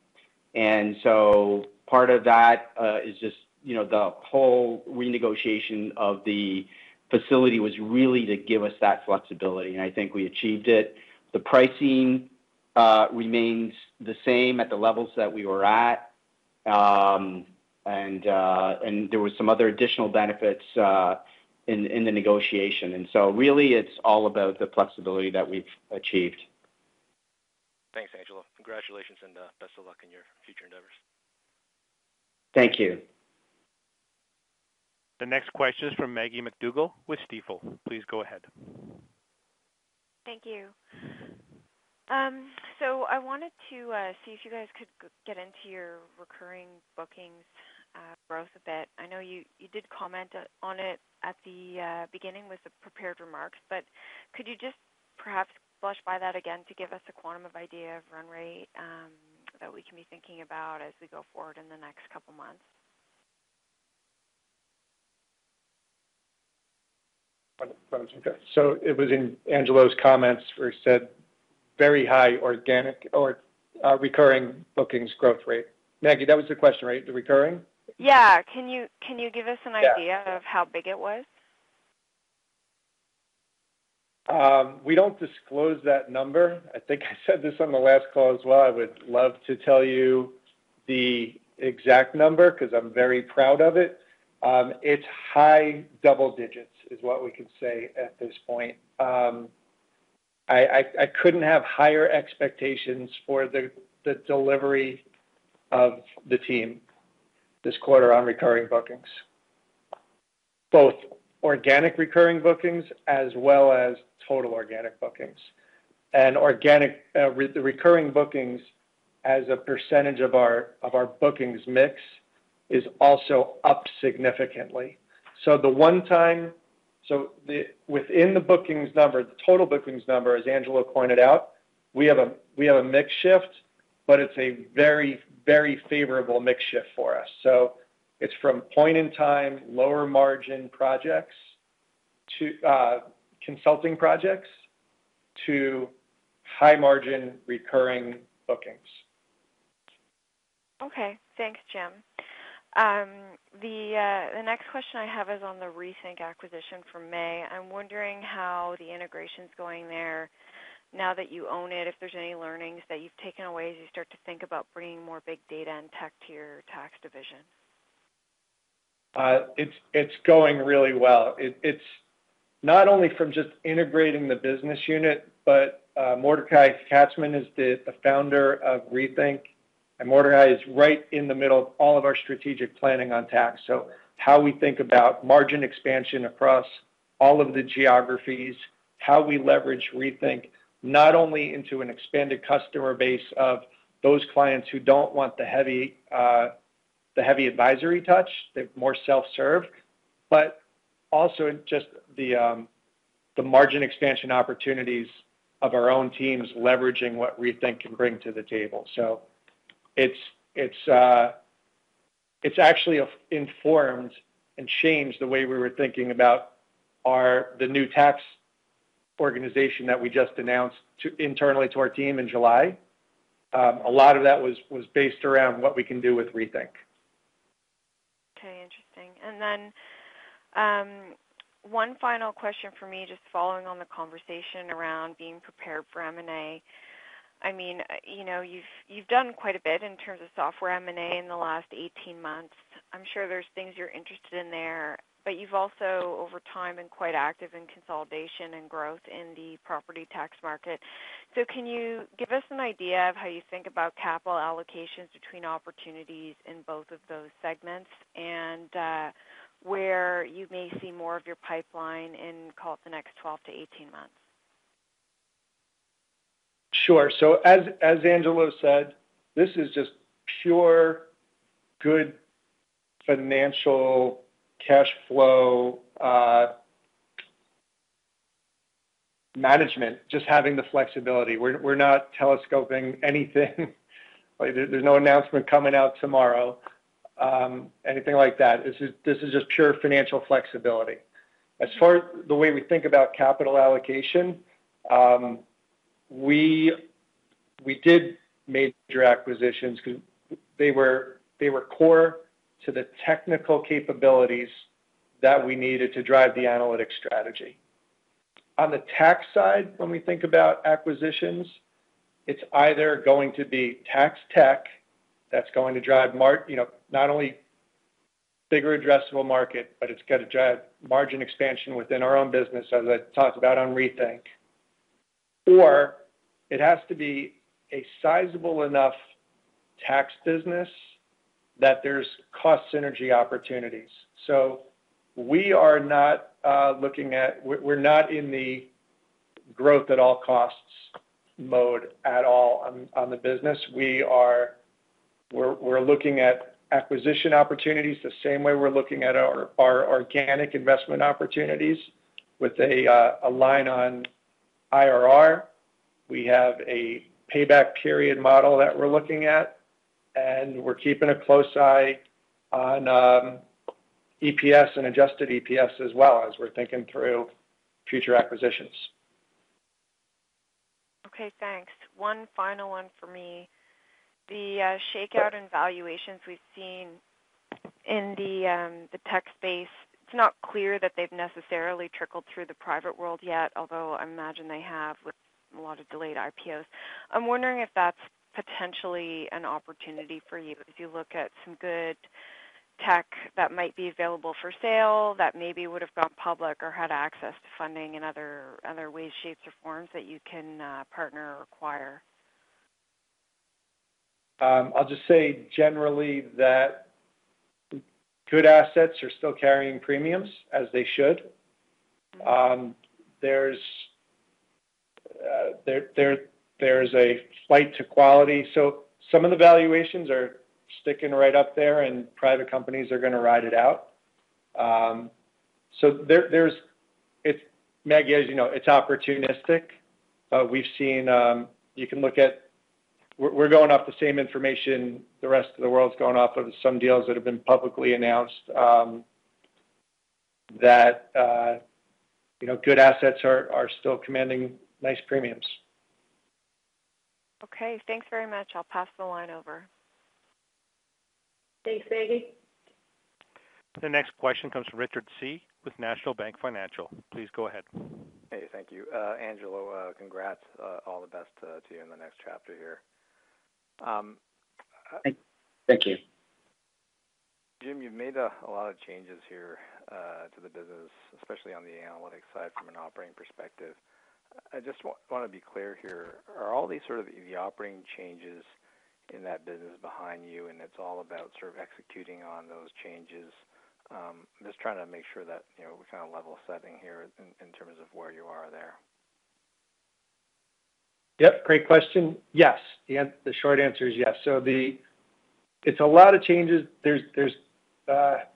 Part of that is just, you know, the whole renegotiation of the facility was really to give us that flexibility, and I think we achieved it. The pricing remains the same at the levels that we were at. And there was some other additional benefits in the negotiation. Really it's all about the flexibility that we've achieved. Thanks, Angelo. Congratulations and best of luck in your future endeavors. Thank you. The next question is from Maggie MacDougall with Stifel. Please go ahead. Thank you. I wanted to see if you guys could get into your recurring bookings growth a bit. I know you did comment on it at the beginning with the prepared remarks. Could you just perhaps flesh out that again to give us a quantum, an idea of run rate that we can be thinking about as we go forward in the next couple months? Understood. It was in Angelo's comments where he said very high organic or recurring bookings growth rate. Maggie, that was the question, right? The recurring? Yeah. Can you give us an idea? Yeah. of how big it was? We don't disclose that number. I think I said this on the last call as well. I would love to tell you the exact number 'cause I'm very proud of it. It's high double digits is what we can say at this point. I couldn't have higher expectations for the delivery of the team this quarter on recurring bookings, both organic recurring bookings as well as total organic bookings. Organic recurring bookings as a percentage of our bookings mix is also up significantly. Within the bookings number, the total bookings number, as Angelo pointed out, we have a mix shift, but it's a very favorable mix shift for us. It's from point-in-time lower margin projects to consulting projects to high margin recurring bookings. Okay. Thanks, Jim. The next question I have is on the Rethink acquisition from May. I'm wondering how the integration's going there now that you own it, if there's any learnings that you've taken away as you start to think about bringing more big data and tech to your tax division. It's going really well. It's not only from just integrating the business unit, but Mordechai Katzman is the founder of Rethink, and Mordechai is right in the middle of all of our strategic planning on tax. How we think about margin expansion across all of the geographies, how we leverage Rethink not only into an expanded customer base of those clients who don't want the heavy advisory touch, they're more self-serve, but also just the margin expansion opportunities of our own teams leveraging what Rethink can bring to the table. It's actually informed and changed the way we were thinking about the new tax organization that we just announced internally to our team in July. A lot of that was based around what we can do with Rethink. Okay. Interesting. One final question from me, just following on the conversation around being prepared for M&A. I mean, you know, you've done quite a bit in terms of software M&A in the last 18 months. I'm sure there's things you're interested in there, but you've also over time been quite active in consolidation and growth in the property tax market. Can you give us an idea of how you think about capital allocations between opportunities in both of those segments and where you may see more of your pipeline in, call it, the next 12 months-18 months? Sure. As Angelo said, this is just pure good financial cash flow management, just having the flexibility. We're not telescoping anything. Like, there's no announcement coming out tomorrow, anything like that. This is just pure financial flexibility. As far as the way we think about capital allocation, we did major acquisitions because they were core to the technical capabilities that we needed to drive the analytics strategy. On the tax side, when we think about acquisitions, it's either going to be tax tech that's going to drive you know, not only bigger addressable market, but it's got to drive margin expansion within our own business, as I talked about on Rethink. Or it has to be a sizable enough tax business that there's cost synergy opportunities. We are not in the growth at all costs mode at all on the business. We're looking at acquisition opportunities the same way we're looking at our organic investment opportunities with a line on IRR. We have a payback period model that we're looking at, and we're keeping a close eye on EPS and adjusted EPS as well as we're thinking through future acquisitions. Okay, thanks. One final one for me. The shakeout in valuations we've seen in the tech space, it's not clear that they've necessarily trickled through the private world yet, although I imagine they have with a lot of delayed IPOs. I'm wondering if that's potentially an opportunity for you as you look at some good tech that might be available for sale that maybe would have gone public or had access to funding in other ways, shapes, or forms that you can partner or acquire. I'll just say generally that good assets are still carrying premiums, as they should. There's a flight to quality. Some of the valuations are sticking right up there, and private companies are gonna ride it out. Maggie, as you know, it's opportunistic. We've seen. We're going off the same information the rest of the world's going off of some deals that have been publicly announced, that, you know, good assets are still commanding nice premiums. Okay, thanks very much. I'll pass the line over. Thanks, Maggie. The next question comes from Richard Tse with National Bank Financial. Please go ahead. Hey, thank you. Angelo, congrats. All the best to you in the next chapter here. Thank you. Jim, you've made a lot of changes here to the business, especially on the analytics side from an operating perspective. I just wanna be clear here. Are all these sort of the operating changes in that business behind you, and it's all about sort of executing on those changes? I'm just trying to make sure that, you know, we're kind of level setting here in terms of where you are there. Yep, great question. Yes. The short answer is yes. It's a lot of changes. There's not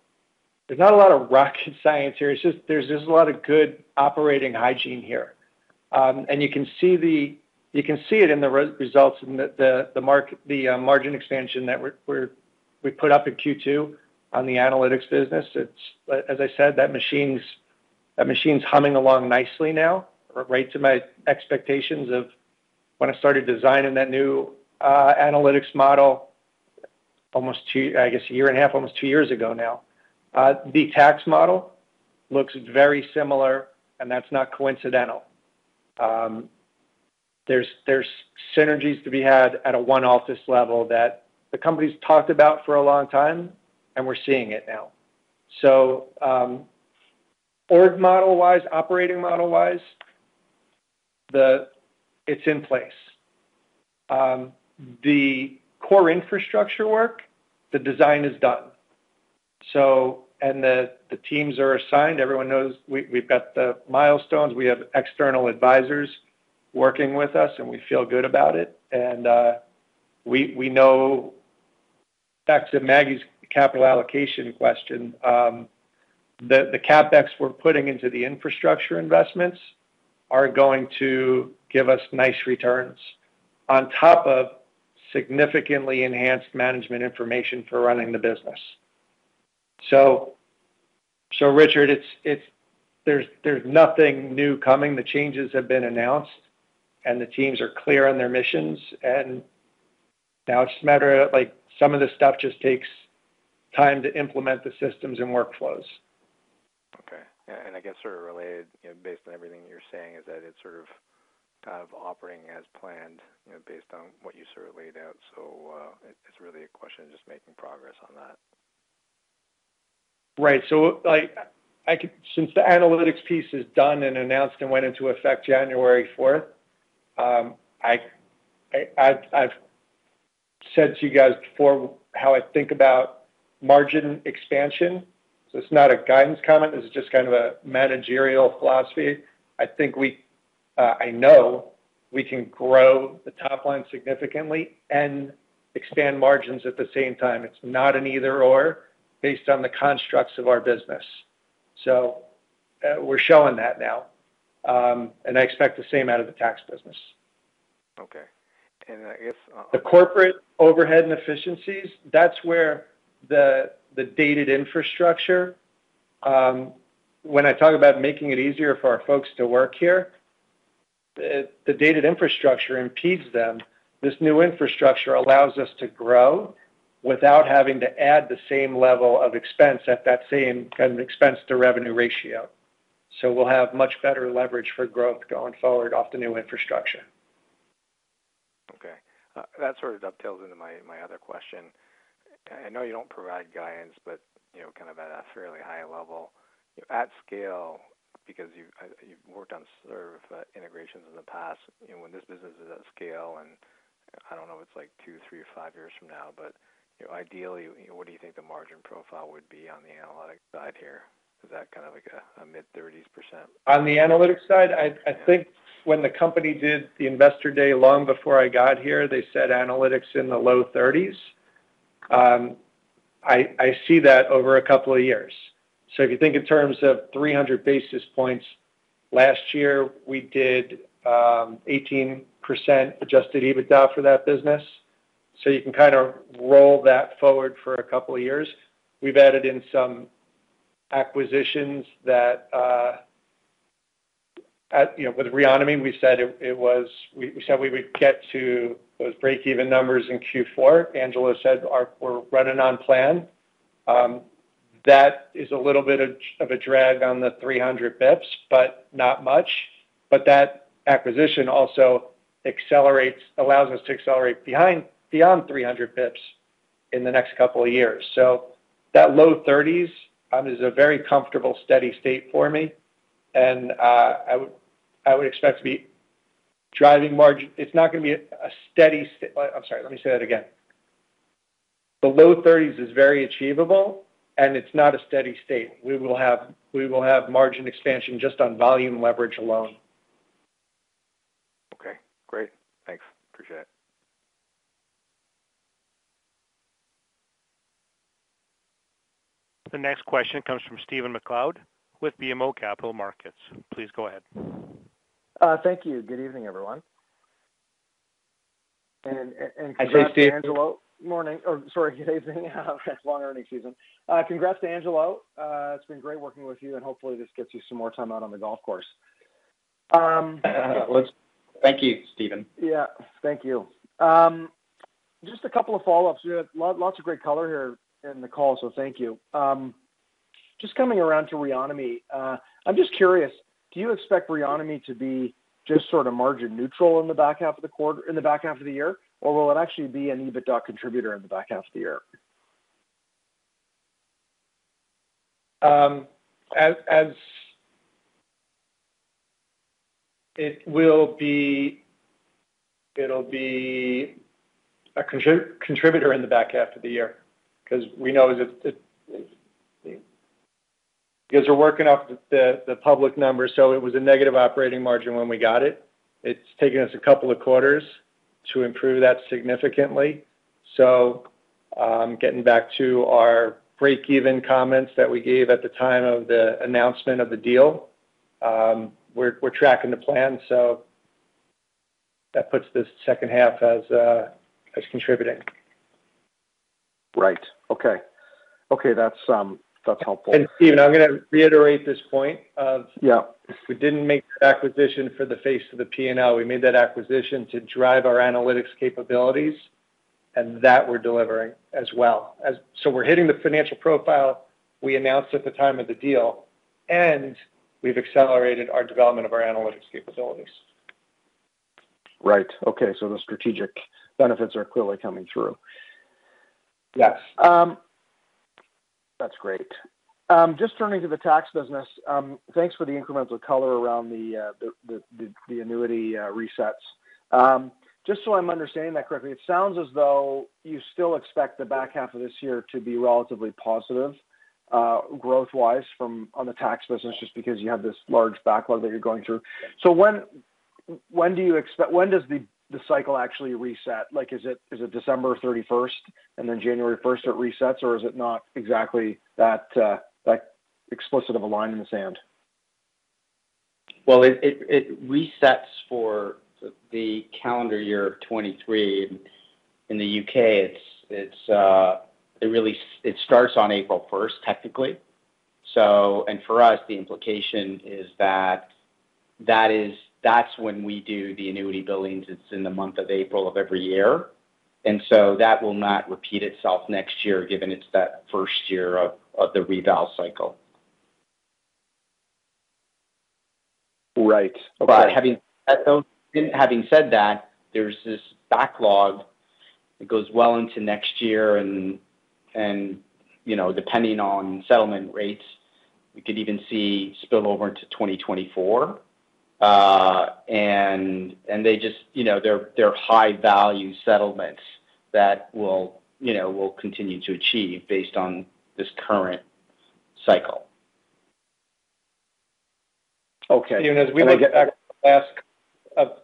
a lot of rocket science here. There's just a lot of good operating hygiene here. You can see it in the results in the margin expansion that we put up in Q2 on the analytics business. As I said, that machine's humming along nicely now, right to my expectations of when I started designing that new analytics model. I guess a year and a half, almost two years ago now. The tax model looks very similar, and that's not coincidental. There's synergies to be had at a one office level that the company's talked about for a long time, and we're seeing it now. Org model-wise, operating model-wise, it's in place. The core infrastructure work, the design is done. The teams are assigned. Everyone knows we've got the milestones. We have external advisors working with us, and we feel good about it. We know, back to Maggie's capital allocation question, the CapEx we're putting into the infrastructure investments are going to give us nice returns on top of significantly enhanced management information for running the business. Richard, it's. There's nothing new coming. The changes have been announced, and the teams are clear on their missions. Now it's just a matter of, like, some of this stuff just takes time to implement the systems and workflows. Okay. I guess sort of related, you know, based on everything you're saying is that it's sort of, kind of operating as planned, you know, based on what you sort of laid out. It's really a question of just making progress on that. Right. Like, since the analytics piece is done and announced and went into effect January fourth, I've said to you guys before how I think about margin expansion. It's not a guidance comment. This is just kind of a managerial philosophy. I think I know we can grow the top line significantly and expand margins at the same time. It's not an either/or based on the constructs of our business. We're showing that now, and I expect the same out of the tax business. Okay. I guess, The corporate overhead and efficiencies, that's where the dated infrastructure. When I talk about making it easier for our folks to work here, the dated infrastructure impedes them. This new infrastructure allows us to grow without having to add the same level of expense at that same kind of expense-to-revenue ratio. We'll have much better leverage for growth going forward off the new infrastructure. Okay. That sort of dovetails into my other question. I know you don't provide guidance, but you know, kind of at a fairly high level, at scale, because you've worked on service integrations in the past, you know, when this business is at scale, and I don't know, it's like two years, three years or five years from now, but you know, ideally, you know, what do you think the margin profile would be on the analytics side here? Is that kind of like a mid-30s%? On the analytics side, I think when the company did the investor day long before I got here, they said analytics in the low 30s. I see that over a couple of years. If you think in terms of 300 basis points, last year, we did 18% adjusted EBITDA for that business. You can kind of roll that forward for a couple of years. We've added in some acquisitions that, at you know, with Reonomy, we said we would get to those break-even numbers in Q4. Angelo said we're running on plan. That is a little bit of a drag on the 300 basis points, but not much. That acquisition also allows us to accelerate beyond 300 basis points in the next couple of years. That low 30s% is a very comfortable, steady state for me. I would expect to be driving margin. It's not gonna be a steady state. I'm sorry. Let me say that again. The low 30s% is very achievable, and it's not a steady state. We will have margin expansion just on volume leverage alone. Okay, great. Thanks. Appreciate it. The next question comes from Stephen MacLeod with BMO Capital Markets. Please go ahead. Thank you. Good evening, everyone. Congrats to Angelo. Hi, Steven. Good evening. It's long earnings season. Congrats to Angelo. It's been great working with you, and hopefully this gets you some more time out on the golf course. Thank you, Stephen. Yeah. Thank you. Just a couple of follow-ups. You had lots of great color here in the call, so thank you. Just coming around to Reonomy, I'm just curious, do you expect Reonomy to be just sort of margin neutral in the back half of the year? Or will it actually be an EBITDA contributor in the back half of the year? It'll be a contributor in the back half of the year 'cause we know that. We're working up the public numbers, so it was a negative operating margin when we got it. It's taken us a couple of quarters to improve that significantly. Getting back to our break-even comments that we gave at the time of the announcement of the deal, we're tracking the plan, so that puts this second half as contributing. Right. Okay, that's helpful. Stephen, I'm gonna reiterate this point. Yeah. We didn't make the acquisition for the face of the P&L. We made that acquisition to drive our analytics capabilities, and that we're delivering as well. We're hitting the financial profile we announced at the time of the deal, and we've accelerated our development of our analytics capabilities. Right. Okay. The strategic benefits are clearly coming through. Yes. That's great. Just turning to the tax business, thanks for the incremental color around the annuity resets. Just so I'm understanding that correctly, it sounds as though you still expect the back half of this year to be relatively positive growth-wise on the tax business just because you have this large backlog that you're going through. When does the cycle actually reset? Like, is it December thirty-first, and then January first it resets, or is it not exactly that explicit of a line in the sand? Well, it resets for the calendar year of 2023. In the U.K., it really starts on April first, technically. For us, the implication is that that's when we do the annuity billings. It's in the month of April of every year. That will not repeat itself next year, given it's that first year of the reval cycle. Right. Okay. Having said that, there's this backlog that goes well into next year and, you know, depending on settlement rates, we could even see spill over into 2024. They just, you know, they're high-value settlements that we'll continue to achieve based on this current cycle. Okay. Stephen, as we look back at the last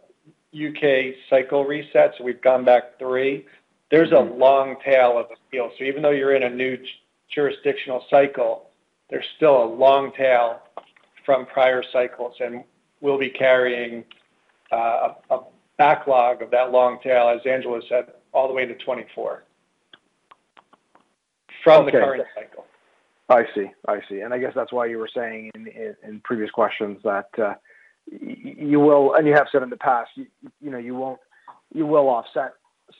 U.K. cycle resets, we've gone back three. There's a long tail of appeal. Even though you're in a new jurisdictional cycle, there's still a long tail from prior cycles, and we'll be carrying a backlog of that long tail, as Angelo said, all the way to 2024. From the current cycle. I see. I see. I guess that's why you were saying in previous questions that you will, and you have said in the past, you know, you will offset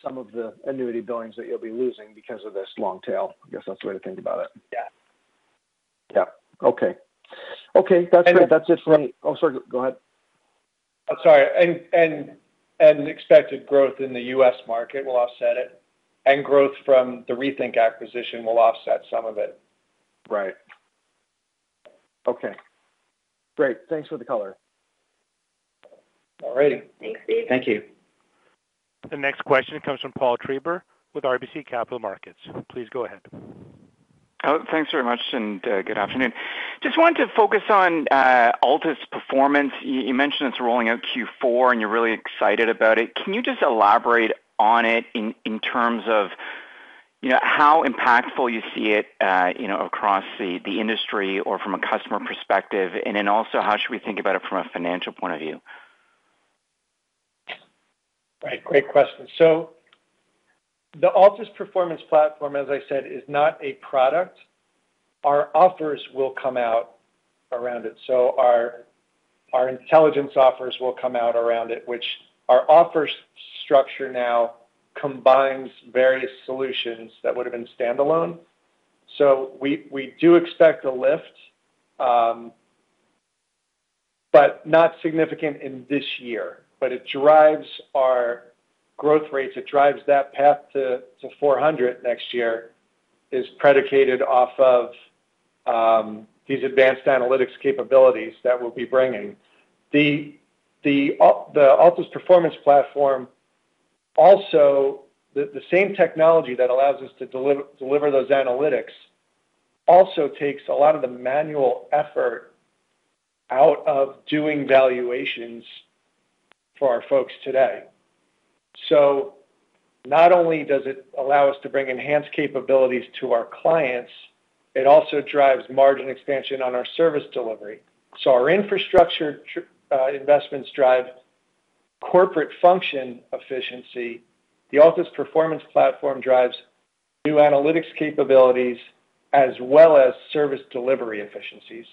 some of the annuity billings that you'll be losing because of this long tail. I guess that's the way to think about it. Yeah. Yeah. Okay. That's great. That's it for me. Oh, sorry. Go ahead. I'm sorry. Expected growth in the U.S. market will offset it, and growth from the Rethink acquisition will offset some of it. Right. Okay. Great. Thanks for the color. All right. Thanks, Dave. Thank you. The next question comes from Paul Treiber with RBC Capital Markets. Please go ahead. Oh, thanks very much, good afternoon. Just wanted to focus on Altus' performance. You mentioned it's rolling out Q4, and you're really excited about it. Can you just elaborate on it in terms of, you know, how impactful you see it, you know, across the industry or from a customer perspective? Also, how should we think about it from a financial point of view? Right. Great question. The Altus Performance Platform, as I said, is not a product. Our offers will come out around it. Our intelligence offers will come out around it, which our offer structure now combines various solutions that would have been standalone. We do expect a lift, but not significant in this year. It drives our growth rates. It drives that path to 400 next year is predicated off of these advanced analytics capabilities that we'll be bringing. The same technology that allows us to deliver those analytics also takes a lot of the manual effort out of doing valuations for our folks today. Not only does it allow us to bring enhanced capabilities to our clients, it also drives margin expansion on our service delivery. Our infrastructure investments drive corporate function efficiency. The Altus Performance platform drives new analytics capabilities as well as service delivery efficiencies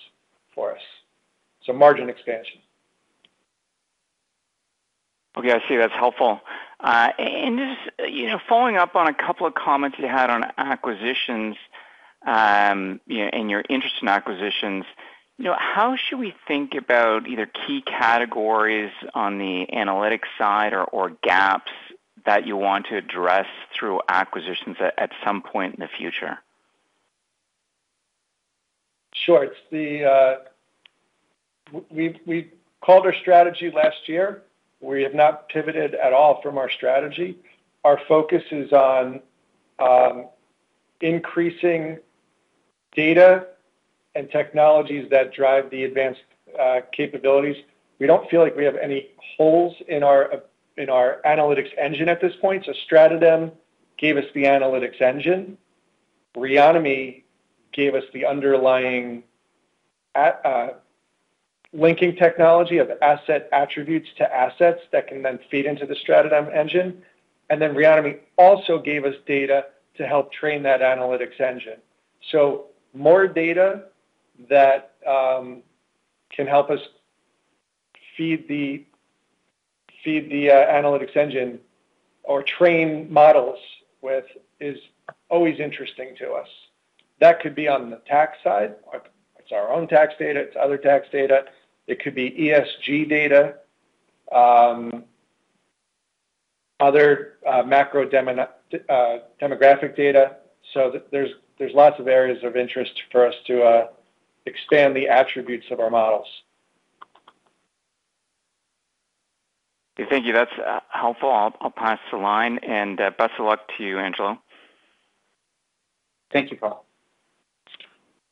for us. Margin expansion. Okay, I see. That's helpful. Just, you know, following up on a couple of comments you had on acquisitions, you know, and your interest in acquisitions, you know, how should we think about either key categories on the analytics side or gaps that you want to address through acquisitions at some point in the future? Sure. We called our strategy last year. We have not pivoted at all from our strategy. Our focus is on increasing data and technologies that drive the advanced capabilities. We don't feel like we have any holes in our analytics engine at this point. StratoDem gave us the analytics engine. Reonomy gave us the underlying linking technology of asset attributes to assets that can then feed into the StratoDem engine. Reonomy also gave us data to help train that analytics engine. More data that can help us feed the analytics engine or train models with is always interesting to us. That could be on the tax side. It's our own tax data. It's other tax data. It could be ESG data, other demographic data. There's lots of areas of interest for us to expand the attributes of our models. Thank you. That's helpful. I'll pass the line and best of luck to you, Angelo. Thank you, Paul.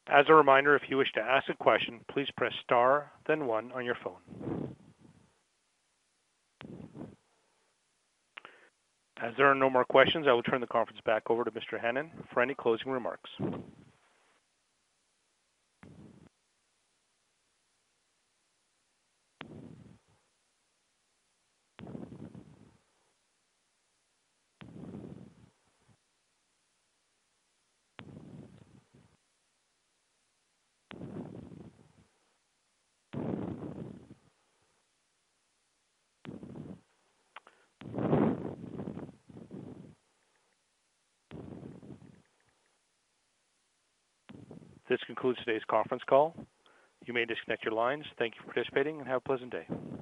As a reminder, if you wish to ask a question, please press star then one on your phone. As there are no more questions, I will turn the conference back over to Mr. Hannon for any closing remarks. This concludes today's conference call. You may disconnect your lines. Thank you for participating and have a pleasant day.